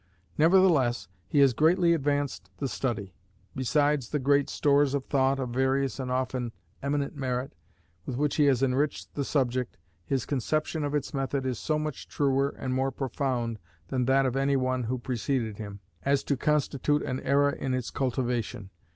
Nevertheless, he has greatly advanced the study. Besides the great stores of thought, of various and often of eminent merit, with which he has enriched the subject, his conception of its method is so much truer and more profound than that of any one who preceded him, as to constitute an era in its cultivation.